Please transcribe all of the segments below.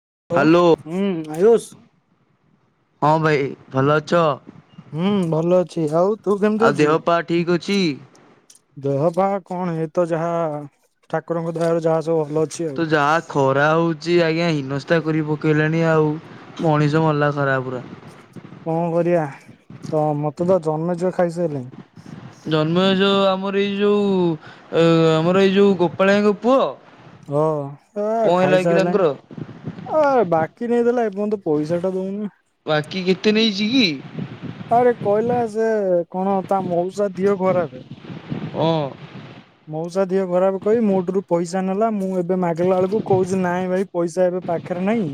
Hello hello ହୁଁ ଆୟୁଷ [inaudible] ହଁ ଭାଇ ଭଲ ଅଛ? ହୁଁ ଭଲ ଅଛି। ଆଉ ତୁ କେମିତି ଆଉ ଦେହ ଅଛୁ? ପା ଠିକ ଅଛି? ଦେହ ବା କଣ ଏଇ ତ ଯାହା ଠାକୁରଙ୍କ ଦୟାରୁ ଯାହା ସବୁ ଭଲ ଅଛି ଆଉ। ତ ଯାହା ଖରା ହଉଚି ଆଜ୍ଞା ହୀନ ଉଦା କରି ପକାଇଲେଣି ଆଉ ମଣିଷ ମଲା ସାରା ପୁରା କଣ କରିବା ତ ମତେ ତ ଜମଜ ଖାଇସାରିଲାଣି। ଜନ୍ମଜ ଏ ଯୋଉ ଆମର ଏଇ ଯୋଉ ଆମର ଏଇ ଯୋଉ ଗୋପାଳଙ୍କ ପୁଅ? ହ କଣ ହେଲା କି ତାଙ୍କର ଖାଇସାରିଲଣି ଆ ବାକି ନେଇଦେଲା ମତେ ପଇସାଟା ଦଉନି। ବାକି କେତେ ନେଇଛି କି? ଯେ କଣ ତା ମଉସା ଦିହ ଖରାପ ଅଁ ମଉସା ଦେହ ଖରାପ କହି ମୋ ଠୁରୁ ପଇସା ନେଲା ମୁଁ ଏବେ ଏବେ ମାଗିଲା ବେଳକୁ କହୁଛି ନାଇଁ ଭାଇ ପଇସା ଏବେ ପାଖରେ ନାଇଁ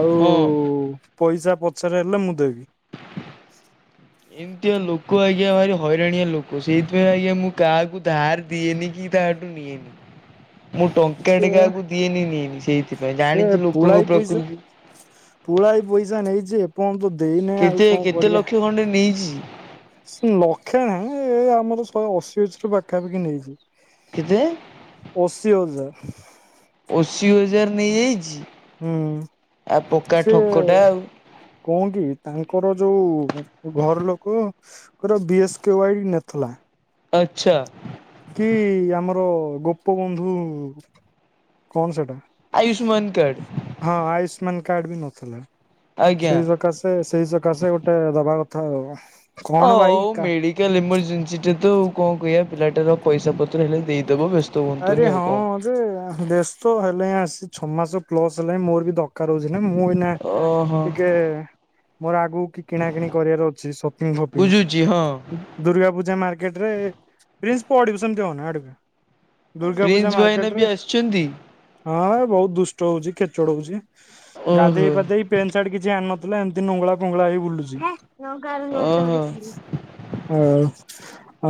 ଆଉ ହଁ। ପଇସା ପଛରେ ହେଲେ ମୁଁ ଦେବି। ଏମିତିଆ ଲୋକ ଆଜ୍ଞା ଭାରି ହଇରାଣିଆ ଲୋକ। ସେଇଥିପାଇଁ ଆଜ୍ଞା ମୁଁ କାହାକୁ ଧାର ଦିଏନି କି କାହାଠୁ ନିଏନି। ମୁଁ ଟଙ୍କା ଟେ ସେ କାହାକୁ ଦିଏନି ନିଏନି। ସେଇଥିପାଇଁ ସେ ଜାଣିଛି ଲୋକଙ୍କ ପୁଳାଇ ପଇସା ପ୍ରକୃତି ପୁଳାଇ ପଇସା ନେଇ ଯେ ପର୍ଯ୍ୟନ୍ତ ଦେଇନାହି ଆଉ କେତେ କଣ କେତେ କରିବା ଲକ୍ଷ ଖଣ୍ଡେ ନେଇଛି ଲକ୍ଷେ ନାହିଁ ଏ ଆମର ଶହେ ଅଶୀ ଅଛି ପାଖାପାଖି ନେଇଛି। କେତେ ଅଶୀ ହଜାର। [inaudible] ଅଶୀ ହଜାର ନେଇଯାଇଛି। ହୁଁ ଆଉ ପକା ସେ ଠକ ଟା ଆଉ। କଣ କି ତାଙ୍କର ଯୋଉ ଘର ଲୋକଙ୍କର ବି ଏସ୍ କେ ୱ ନେଥିଲା ଆଚ୍ଛା କି ଆମର ଗୋପବନ୍ଧୁ କଣ ସେଟା? ଆୟୁଷ୍ମାନ କାର୍ଡ। ହଁ ଆୟୁଷ୍ମାନ କାର୍ଡ ବି ନଥିଲା। ଆଜ୍ଞା। ସେଇ ସକାସେ ସେଇ ସକାସେ ଗୋଟେ ଦବା କଥା। ହଉ ହଉ ମେଡିକାଲ ଏଇମରଜେନ୍ସି ଟା ତ କଣ କହିବା ପିଲାଟା ର ପଇସା ପତ୍ର ହେଲେ ଦେଇଦେବ ବ୍ୟସ୍ତ ହୁଅନ୍ତୁନି ଆରେ ଆଉ ହଁ କଣ ଯେ ବ୍ୟସ୍ତ ହେଲେ ହଁ ଆସି ଛଅ ମାସ ପ୍ଲସ ହେଲା ହିଁ ମୋର ବି ଦରକାର ହଉଛି। ମୁଁ ଏଇନା ଓହୋ ଟିକେ ମୋର ଆଗକୁ କି କିଣା କିିଣି କରିବାର ଅଛି ସପିଙ୍ଗ ବୁଝୁଛି ହଁ ଫପିଙ୍ଗ ଦୁର୍ଗା ପୂଜା ମାର୍କେଟରେ ପ୍ରିନ୍ସପ ପଡିିବୁ ସେମତି ହୋନା ଏଆଡକୁ ଆ। ଦୁର୍ଗା ପ୍ରିନ୍ସ ପୂଜା ଭାଇନା ମାର୍କେଟ ବି ରେ ଆସିଛନ୍ତି। ହଁ ବହୁତ ଦୁଷ୍ଟ ହଉଛି। କ୍ରିକେଟ୍ ହଉଛି। ଓହୋ ଗାଧେଇ ପାଧେଇ ପେଣ୍ଟ ସାଟ କିଛି ଆଣିନ? ଥିଲା ଏମିତି ନୁଙ୍ଗଳା କୁଙ୍ଗଳା ହେଇକି ବୁଲୁଛି। ଓହୋ ହଉ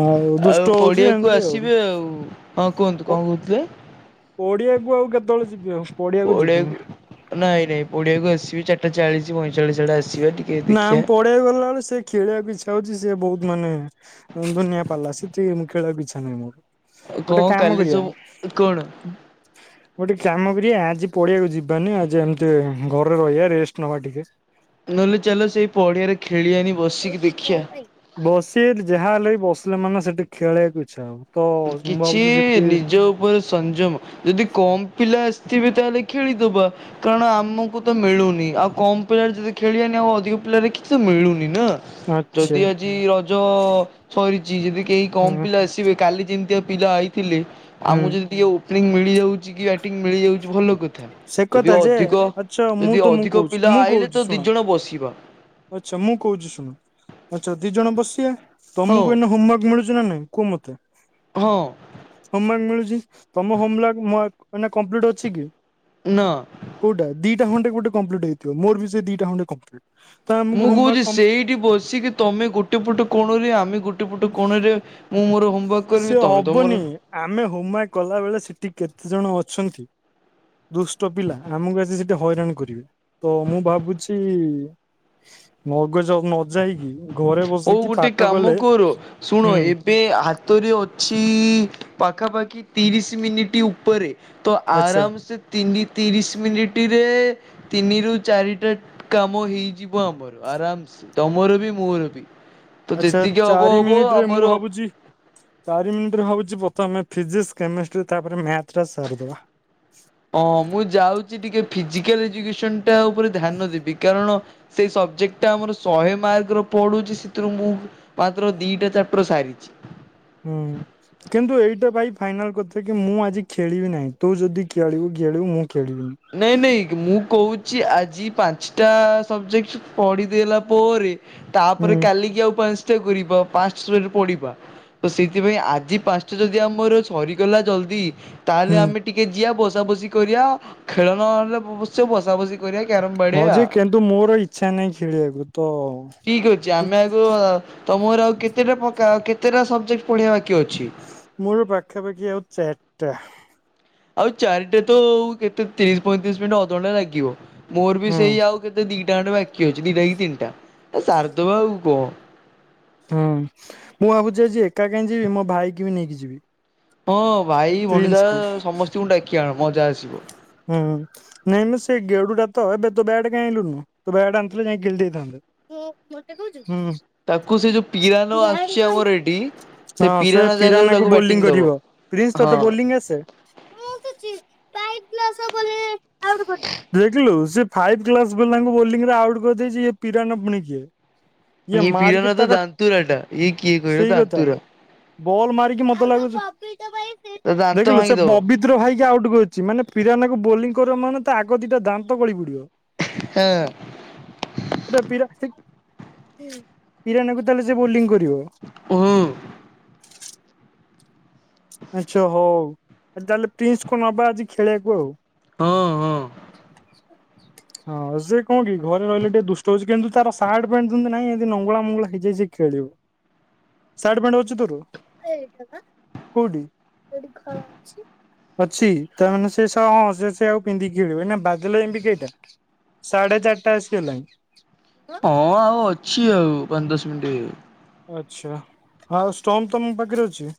ଆଉ ଦୁଷ୍ଟ ହଉଛି ଏମିତି ଆଉ ହଁ କୁହନ୍ତୁ କଣ କହୁଥିଲେ? ପଡିଆକୁ ଆଉ କେତେବେଳେ ଯିବି ଆଉ ଯିବିନି ପଡିଆକୁ ନାଇଁ ରେ ପଡିଆକୁ ଆସିବି ଚାରି ଚାଳିଶ ପଇଁଚାଳୀଶ ଆଡେ ଆସିବା ଟିକେ ନାଁ ଦେଖିବା। ପଡିଆ ଗଲା ବେଳକୁ ସେ ଖେଳିବାକୁ ଇଛା ହଉଛି। ଯେ ବହୁତ ମାନେ ଧୁନଆ ପିଲା ସେ ଟ ମୁଁ ଖଳିବାକୁ ଇଚ୍ଛା ନାହିଁ ମୋର ଆଉ କଣ ଗୋଟେ କାମ କାଲି କରିବା ସବୁ କଣ [inaudible] ଗୋଟେ କାମ କରିବା ଆଜି ପଆଆକୁ ଯିବାନି ଆଜି ଏମିତି ଘରେ ରହିବା ରେଷ୍ଟ ନବା ଟିକେ। ନହେଲେ ଚାଲ ସେଇ ପଡିଆରେ ଖେ ବସିଆ ଯାହା ହେଲେ ବସି ମାନେ ସେଠି ଖେଳକୁ ଇଚ୍ଛା ହବ। ତ ମୁଁ କିଛି ଭାବୁଛି ସେଠି ନିଜ ଉପରେ ସଂଯମ ଯଦି କମ ପିଲା ଥିବେ ତାହେଲେ ଖେଳିଦବା କାରଣ ଆମକୁ ତ ମିଳୁନି ଆଉ କମ ପିଲାରେ ଯଦି ଖେଳିବନି ଆଉ ଅଧିକ ପିଲାରେ କିଛି ତ ମିଳୁନିି। ନା ଆଚ୍ଛା ଯଦି ଆଜି ରଜ ସରିଛି ଯଦି କେହି କମ ହୁଁ ପିଲା ଆସିବେ ଯେମିତିଆ ପିଲା ଆଇ ଥିଲେ ଆ ହୁଁ ମୁଁ ଯଦି ଟିକେ ଉ ମିଳିଯାଉଛି ମିଳିଯାଉଛି ଭଲ କଥା ସେ ଯଦି କଥା ଯେ ଅଧିକ ଆଚ୍ଛା ମୁଁ ଯଦି ତମକୁ ଅଧିକ କହୁଛି ପିଲା ମୁଁ ଆଇଲେ ତ କହୁଛି ଦି ଶୁଣ ଜଣ ବସିବ। ଆଚ୍ଛା ମୁଁ କହୁଛି ଶୁଣୁ ଆଚ୍ଛା ଦି ଜଣ ବସିଆ ହଁ ତମକୁ ଏ ନେ ହୋମୱାର୍କ ମିଳୁଛି । ବୁଝୁଚୁ ନା ନାଇ କୁହ ମୋତେ ହଁ । ହୋମୱାରକ ମିଳୁଛି । ତମ ହୋମଲାକ ମୋ ଅକ୍ ଏଇନା କମ୍ପ୍ଲିଟ ଅଛି କି? ନା । ଟା ଖଣ୍ଡେ ଗୋଟେ କମ୍ପ୍ଲିଟ ହେଇଥିବ ମୋର ବି ସେ ଦିଟା ଖାଣ୍ଡେ କଂପ୍ଲିଟ । ମୁଁ କହୁଛି ସେଇଠି ବସିକି ତମେ ଗୋଟେ ପଟ କୋଣରେ ଆମେ ଗୋଟେ ପଟ କଣରେ ମୁଁ ମୋର ହୋ ସେ ହବନି ଆମେ ହୋମୱାକ୍ କଲା ବେଳେ ସେଠି । କେତେ ଜଣ ଅଛନ୍ତି ଦୁଷ୍ଟ ପିଲା ଆମକୁ ଆଜି ସେଠି ହଇରାଣ କରିବେ ତ ମୁଁ ଭାବୁଛି ମଗଜ ନ ଯାଇକି । ହଉ ଗୋଟେ କାମ କର ଶୁଣ ହୁଁ ଏବେ ହାତରେ ଅ ଅଛି ପାଖାପାଖି ତିରିଶ ମିନିଟ୍ ଉପରେ । ତ ଆଚ୍ଛା। ଆରାମ ସେ ତିନି ତିରିଶ ମିନିଟ । ତିନି ରୁ ଚାରିଟା କାମ ହେଇଯିବ ଆମର ଆରାମସ ତମର ବି ମୋର ବି । ବି । ଆଚ୍ଛା ଚାରି ମିନିଟରେ ମୁଁ ଭାବୁଛି ଚାରି ମିନିଟରେ ଭାବୁଛି ପ୍ରଥମେ । ଫିଜିସ କେମିଷ୍ଟ୍ରି ତାପରେ ମ୍ୟାଥ୍ । ହଁ ମୁଁ ଯାଉ ଚି ଟିକେ ଫିଜିକାଲ ଏଯୁକେସନ୍ ଟା ଉପରେ ଧ୍ୟାନ ଦେବି କାରଣ ସେ ସବଜେକ୍ଟଟା ଆମର ଶହେ ମାର୍କର ପଡୁଛି ସେଥିରୁ ମୁଁ ମାତ୍ର ଦିଟା ଚାପ୍ଟର ସାରିଚି । ହୁଁ କିନ୍ତୁ ଏଇଟା ଭାଇ ଫାଇନାଲ କଥା କି ମୁଁ ଆଜି ଖେଳିବି ନାହିଁ ତୁ ଯଦି ଖେଳିବୁ ଖେଳିବୁ । ନାଇଁ ନାଇଁ ମୁଁ କହୁ ଛି ଆଜି ପାଞ୍ଚଟା ସବଜେକ୍ଟ ପଢ଼ିଦେଲା ପରେ ତାପରେ ହୁଁ କାଲିକି ଆଉ ପାନସ୍ ଟା କରିବା ପାଷ୍ଟଟା ରେ ପଡିବା ତ ସେଇଥିପାଇଁ ଆଜି ପାଞ୍ଚଟା ଯଦି ଆମର ସରିଗଲା ଜଲଦି । ହୁଁ ତାହେଲେ ଆମେ ଟିକେ ଯିିଆ ବସ ବସା ବସି କରିବା । ଖେଳ ନ ହେଲେ ପଛେ ବସା ବସା କରିବା । ହଁ ଯେ କିନ୍ତୁ ମୋର ଇଚ୍ଛା ନାହିଁ ଖେଳିବାକୁ ତ । ଠିକ ଅଛି ଆମେ ଆଗ । ତ ମୋର ଆଉ କେତେଟା ପକାଅ କେତେଟା ସବଜେକ୍ଟ ପଢିବା ବାକି ଅଛି । ମୋ ର ପାଖାପାଖି ହଉଛି ଚାରିଟା । ଆଉ ଚାରିଟା ତ କେତେ ତିରିଶ ପଇଁତିରିଶ ମିନିଟ ଅଧ ଘଣ୍ଟା ଲାଗିବ । ମୋର ବି ହୁଁ ସେଇ ଆଉ କେତେ ଦି ଦିଟା ଖଣ୍ଡେ ବାକି ଅଛି ଦିଟା କି ତିନଟା ଏ ସାରିଦବା ଆଉ କଣ । ହଁ ମୁଁ ଭାବୁଛି ଆଜି ଏକା କାଇଁ ଯିବି ମୋ ଭାଇକ ବି ନେଇକି ଯିବି। ହଁ ଭାଇ ଭଣଜା ପ୍ରିନ୍ସ କୁ ସମସ୍ତଙ୍କୁ ଡାକି ଆଣ। ମଜା ଆସିବ। ହୁଁ ନାଇଁ ମୁ ସେ ଗେଡୁଟା ତ ଏବେ ତୋ ବ୍ଯାଟ୍ କାଇଁ ଆଣିଲୁନୁ ତୋ ବ୍ୟାଟ୍ ଆଣିଥିଲେ ଯାଇ ଖେଳି ଦେଇଥାନ୍ତେ। ହୁଁ ତାକୁ ସେ ଯୋଉ ପିରାନ ଆସୁଛି ଆମର ଏଠି ସେ ହଁ ପିରାନ ଜାଗାରେ ପିରାନାକୁ ତାକୁ ବୋଲିଂ ବ୍ୟାଟିଂ ଦବ କରିବ ପ୍ରିନ୍ସ ତୋତେ ବୋଲିଂ ଆସେ? ହଁ। ଦେଖିଲୁ ସେ ଫାଇଭ କ୍ଲାସ୍ ବାଲା ଙ୍କୁ ବୋଳିଙ୍ଗି ରେ ଆଉଟ୍ କରିଦେଇଚି ଇଏ ପିରାନା ପୁଣି କିଏ। ଇଏ ଏଇ ମାରିକି ପିରାନା ତ ତାର ଦାନ୍ତୁରା ଟା ଇ କିଏ କହିଲ ସେଇ କଥା ଦାନ୍ତୁରା। ବଲ୍ ମାରିକି ମତେ ଲାଗୁଛି ତା ଦାନ୍ତ ଦେଖିଲୁ ସେ ଭାଙ୍ଗିଦବ। ପବିତ୍ର ଭାଇ କି ଆଉଟ୍ କରିଛି ମାନେ ବୋଲିଂ କରି ବ ମାନେ ତା ଆଗ ଦିଟା ଦାନ୍ତ ଗଳି ପଡିବ। ଏଇଟା ପିରା ପିରାନା କୁ ତାହେଲେ ସେ ବୋଲିଂଗ ହୁଁ। ଆଚ୍ଛା ହଉ ତାହେଲେ ପ୍ରିନ୍ସ କୁ ନବା ଆଜି ଖେଳିବାକୁ ଆଉ। ହଁ ହଁ। ହଁ ସେ କଣ କି ଘରେ ରହିଲେ ଟିକେ ଦୁଷ୍ଟ ହଉଛି କିନ୍ତୁ ସାର୍ଟ ପେଣ୍ଟ ଯେମିତି ନାହି ନଙ୍ଗଳା ମଙ୍ଗଳା ହେଇଯାଇଛି ସେ ଖେଳିବ ସାର୍ଟ ପ୍ୟାଂଟ ଅଛି ତୋର କୋଉଠି ତାମାନେ ସେ ହଁ ସେୟାକୁ ପିନ୍ଧିକି ଖେଳିବ ନା ବାଦଲ ଏମିତି କେଇଟା ସାଢେ ଚାରିଟା ଆସିଗଲାଣି। ହଁ ଆଉ ଅଛି। ଅଛି ଆଉ ପାଞ୍ଚ ଦଶ ମିିନିଟ । ଆଚ୍ଛା ଆଉ ଷ୍ଟୋମ୍ ତମ ପାଖରେ ଅଛି।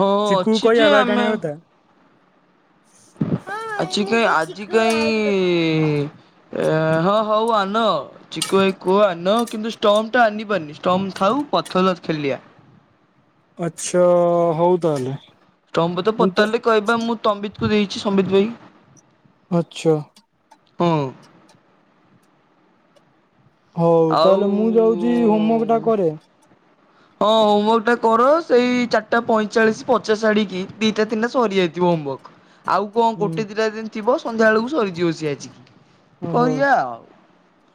ହଁ ଚିକୁକୁ ଅଛି କହିବା ଯେ ବ୍ୟାଟ ଆମେ ଆଣିବା କଥା। ଆଜି କାଇଁ ଆଜି କାଇଁ ଏ ହଁ ହଉ ଆଣ ଚିକୁଭାଇ କୁ କୁହ ଆଣ କିନ୍ତୁ ଷ୍ଟମ୍ପ ଟା ଆଣିବନି ଷ୍ଟମ୍ପ ଥାଉ ପଛରେ ଖେଳିବା। ଆଛା। ଷ୍ଟମ୍ପ ତ ପଚାରିଲେ କହିବା ମୁଁ ସମ୍ବିତ କୁ ଦେଇଛି ସମ୍ବିତ ଭାଇ ଆଚ୍ଛା ହୁଁ। ହଉ ଆଉ ତାହେଲେ ମୁଁ ଯାଉଛି ହୋମୱାର୍କ ଟା କରେ। ହଁ ହୋମୱାର୍କ ଟା କର ସେଇ ଚାରିଟା ପଇଁଚାଳିଶ ପଚାଶ ଆଡିକି ଦିଟା ତିନିଟା ସରିଯାଇଥିବ ହୋମାୱାର୍କ। ଆଉ କଣ ହୁଁ ଗୋଟେ ଦିଟା ଦିନ ଥିବ। ସନ୍ଧ୍ୟା ବେଳକୁ ସରିଯିବ ସିଏ ଆଜି। କହିବା ଆଉ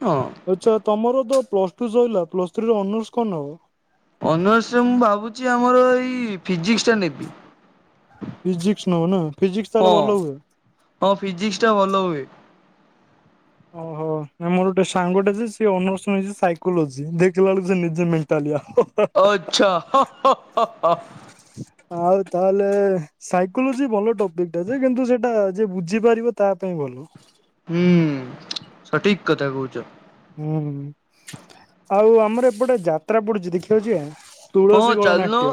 ହଁ। ଆଛା ତମର ତ ପ୍ଲସ ଟୁ ସରିଲା ପ୍ଲସ୍ ଥ୍ରୀରେ ଅନର୍ସ କଣ ନେବ? ଅନର୍ସ ମୁଁ ଭାବୁଛି ଆମର ଏଇ ଫିଜିକ୍ସ ଟା ନେବି। ଫିଜିକ୍ସ ନହ ନା ଫିଜିକ୍ସ ତାହେଲେ ହଁ। ଭଲ ହୁଏ। ହଁ ଫିଜିକ୍ସ ଟା ଭଲ ହୁଏ ଓହୋ ମୋର ଗୋଟେ ସାଙ୍ଗଟା ଯେ ଅନର୍ସ ସାଇକୋଲୋଜି ଦେଖିଲା ବେଳକୁ ସେ ନିଜେ ମେଣ୍ଟାଲିଆ। ଆଛା। ହାଃ ହାଃ ହାଃ ଆଉ ତାହେଲେ ସାଇକୋଲୋଜି ଭଲ ଟପିକ ଟା ଯେ କିନ୍ତୁ ସେଟା ଯ ବୁଝିପାରିବ ତା ପାଇଁ ଭଲ। ହୁଁ ସଠିକ କଥା କହୁଛ। ହୁଁ ଆଉ ଆମର ଏପଟେ ଯାତ ଯାତ୍ରା ପଡୁଛି ଦେଖିବାଉଛି ତୁଳସୀ ହଁ ଗୋଳ ଚାଲୁନ ନାଟ୍ୟ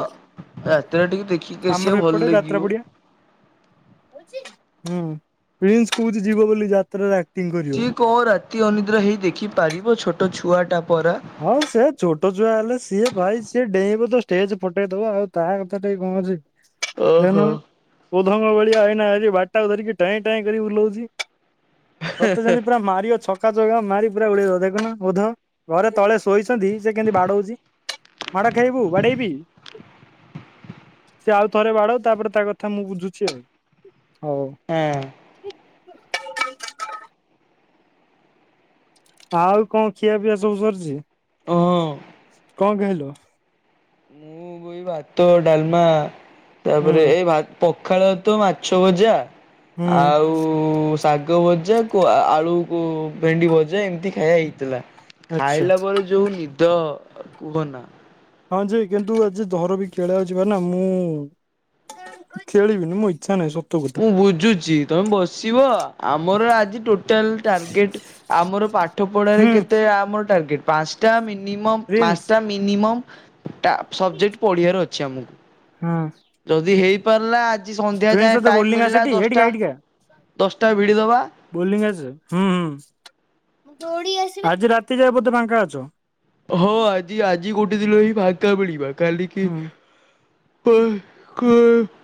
ରାତିରେ ଟିକେ ଦେଖିକି ଆସିବା ଆମର ଭଲ ଏପଟେ ଯାତ୍ରା ଲାଗିବ। ପଡିଆ। ହୁଁ ପ୍ରିନ୍ସ କୋହୁଛି ଯିବ ବୋଲି ଯାତ୍ରା। ଶିଖ ଓ ଅତି ଓ ନିିଦ୍ରା ହ ଦେଖିପାରିବ ଛୋଟ ଛୁଆ ଟା। ହଁ ସେ ଛୋଟ ଛୁଆ ହେଲେ ସିଏ ଭାଇ ସିଏ ଡେଇଁବୋ ତ ଷ୍ଟେଜ ପଠେଇଦବ ଆଉ ତା କଥା ଟିକେ କଣ ଅଛି। ଓହୋ। ଙ୍ଗ ଭଳିଆ ହେଇ ବାଟା ଧରିକି ଟାଏଁ ଟାଏଁ କରି ବୁଲଉଛି। ସତେ ଯେମତି ପୁରା ମାରିବ ଛକ ପକା ଜଗା ମାରି ପୁରା ଉଡ଼େଇ ଦେଖନ ଓଧ ଘରେ ତଳେ ଶୋଇଛନ୍ତି। ସେ କେମିତି ବାଡଉଛି ମାଡ ଖାଇବୁ ବାଡେଇବି ସେ ଆଉ ଥରେ ବାଡଉ ତାପରେ ତା କଥା ମୁଁ ବୁଝୁଛି ଆଉ ହଉ ହଁ। [inaudible] ଆଉ କଣ ଖିଆ ପିଆ ସବୁ ସରିଛି। ହଁ କଣ ଖାଇଲ? ମୁଁ ଗୋଇ ଭାତ ତ ଡାଲମା। ହୁଁ ତାପରେ ଏଇ ଭ ପଖାଳ ତ ମାଛ ଭଜା ହୁଁ ଆଉ ଶାଗ ଭଜା କ ଆଳୁକୁ ଭେଣ୍ଡି ଭଜା ଏମିତି ଖାଇବା ହେଇଥିଲା। ଆଚ୍ଛା ଖାଇଲା ପରେ ଯୋଉ ନିଦ କୁହ ନା। ହଁ ଯେ କିନ୍ତୁ ଆଜି ଦର ବି ଖେଳ ହାଉଛି ବା ନା ମୁଁ ଖେଳିବିନି ମୁ ଇଚ୍ଛା ନାହିଁ, ସ ମୁଁ ବୁଝୁଛି ତମେ ବସିବ ଆମର ଟୋ ଲ ଟାର୍ଗେଟ ଆମର ପାଠ ହୁଁ ପଢାରେ କେତେ ଆମର ଟାର୍ଗେଟ ପାଞ୍ଚଟା ମିନିଟ ମିନିମ ପ୍ରିନ୍ସ ପାଞ୍ଚଟା ମିନିମମ୍। ଟ ସବଜେକ୍ଟ ପଢିବାର ଅଛି। ଚମକୁଚି ହୁଁ। ଯଦି ହେଇପାରିଲା ସନ୍ଧ୍ୟା ପ୍ରିନ୍ସ ଯାଏଁ ତୋତେ ଟାଇମ ବୋଲଙ୍ଗ୍ ଆସେ ମିଳିଲା ଟି ଏଇଠିକି ଆ ଦଶଟା ଏଇଠି କି ଆ ଦଶଟା ଭିଡିଦବା ବୋଲିଙ୍ଗ୍ ଆସେ। ଦୋଡ଼ିଆସିବା ଆଜି ରାତି ଯାଏ ବୋଧେ ପାାଙ୍କା ଅଛ। ହଁ ଆଜି ଆଜି କୋଟେ ଦିନ ହିଁ ଫାଙ୍କା ମିଳିଲା। କାଲି କି? ହୁଁ [unintelligible]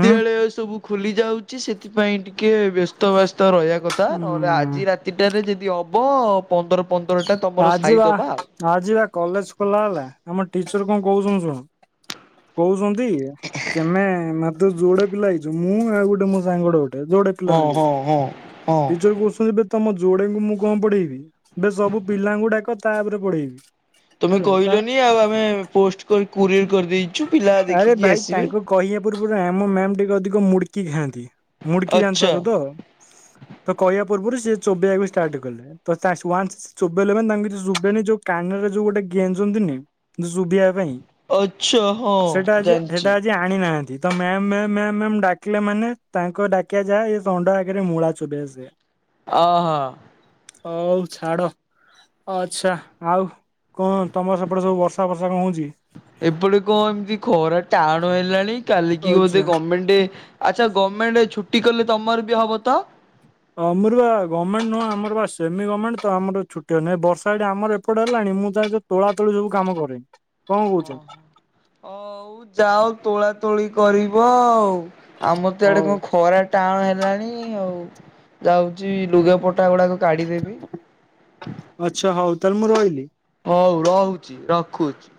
ଉଁ ସବୁ ଖୋଲି ଯାଉଛଚି ସେଥିପାଇଁ ଟିକେ ଟିକେ ବ୍ୟସ୍ତ ବ୍ୟସ୍ତ ରହିବା କଥା ନହେଲେ ଉଁ ଆଜି ରାତିଟାରେ ଯଦି ହବ ପନ୍ଦର ପନ୍ଦରଟା ତମର ଆ ଯିବା ସାରିଦବା ଆଉ। ଆ ଯିବା କଲେଜ ଖୋଲା ହେଲା ଆମ ଟି କଣ କହୁଛନ୍ତି ଶୁଣ କହୁଛନ ତମେ ମାତ୍ର ଯୋଡେ ପିଲା ହେଇଛ। ମୁଁ ଆଉ ଗୋଟେ ମୋ ସାଙ୍ଗଟେ ଯୋଡେ ପିଲା ହଁ ଆମେ ଯାଇଛୁ ହଁ ହଁ ହଁ। ଟିଚର କହୁଛନ୍ତି। ତମ ଯୋଡେଙ୍କୁ ମୁଁ କଣ ପଢେଇବି ବେ ସବୁ ପିଲାଙ୍କୁ ଡାକ ତା ଉପରେ ପଢେଇବି। ତମେ ହେଲା ତ କହିଲନି ଆଉ ଆମେ ପୋଷ୍ଟ କରି କୋରିଅର କରିଦେଇଚ ଆରେ ଭାଇ ତାଙ୍କୁ କହିବା ପୂର୍ବରୁ ଆମ ମ୍ୟାମ୍ ଟିକେ ଅଧିକ ମୁଡ଼କି ଖାଆନ୍ତି। ମୁଡିକି ଆଚ୍ଛା ଜାଣିପାରୁଚ ତ ତ କହିବା ପୂର୍ବରୁ ସିଏ ଚୋବେେଇବାକୁ ଷ୍ଟାର୍ଟ କଲେ ତ ୱାନସ୍ ଚୋବେେଇଲେ ମାନ ତାଙ୍କୁ କିଛି ଶୁେଇନି ଯୋଉ କାନରେ ଯୋଉୋ ଗୋଟେ ଗେଞନ୍ତିନି ଯଉ ଶୁଭିବା ପାଇଁ। ଓ ସେଟା ଆଜି ହେଟା ଆଜି ଆଣିନାହାନ୍ତି। ତ ମ୍ୟାମ ମ୍ୟାମ ମ୍ୟାମ ମ୍ୟାମ ଡାକିଲା ମାନେ ତାଙ୍କ ଡାକିବା ଯାହା ନଣ୍ଡା ଆଗରେ ମୂଳା ଚୋବେଇବା ସେଇଆ। ଓ ହୋ। ହଉ ଛାଡ ଆଚ୍ଛା ଆଉ କଣ ତମର ସେପଟେ ସବୁ ବର୍ଷା ଫର୍ଷା କଣ ହଉଚି? ଏପଟେ କଣ ଏମିତି ଖୋରା ଟାଣ ହେଲାଣି। କାଲିି କି ବୋଧେ ଆଚ୍ଛା। ଗମେଣ୍ଟ୍ ଆଛ ଗମେଣ୍ଟ୍ ଛୁଟି କା ଛୁଟି କଲେ ତମର ବି ହବ ତ? ଆମର ବା ଗମେଣ୍ଟ ନୁହଁ ଆମର ବା ସେମି ଗମେଣ୍ଟ ତ ଆମର ଛୁଟି ନହିଁ ବର୍ଷା ଏଠ ଆମର ଏପଟେ ହେଲାଣି ମୁଁ ତ ତୋଳା ତୋଳି ସବୁ କାମ କରେଇଁ କଣ କହୁଛ। ଓହୋ ହଉ ଯାଉ ତୋଳା ତୋଳି କରିବ ଆଉ। ଆମର ତ ଆଡେ ହଉ କଣ ଖରା ଟାଣ ହେଲାଣି ଆଉ ଯାଉଚି ଲୁଗା ପଟା କୁଟା ଗୁଡାକ କାଡ଼ିଦେବି ଆଚ୍ଛା ହଉ ତାହେଲେ ମୁଁ ରହିଲି। ହଉ ରୋଉ ଚି ରଖୁଚି।